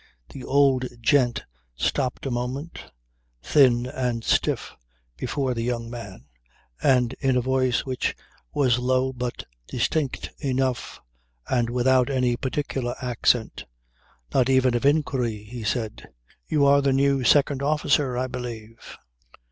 The old gent stopped a moment, thin and stiff, before the young man, and in a voice which was low but distinct enough, and without any particular accent not even of inquiry he said: "You are the new second officer, I believe."